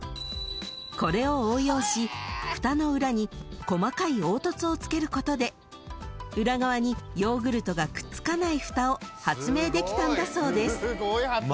［これを応用しふたの裏に細かい凹凸をつけることで裏側にヨーグルトがくっつかないふたを発明できたんだそうです］